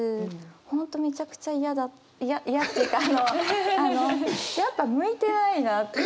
本当にめちゃくちゃ嫌だ嫌っていうかあのやっぱ向いてないなって。